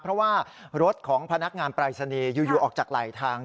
เพราะว่ารถของพนักงานปรายศนีย์อยู่ออกจากไหลทาง